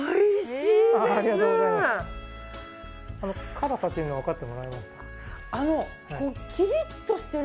その辛さというのは分かってもらえました？